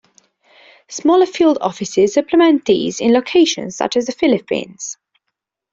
Smaller field offices supplement these in locations such as the Philippines.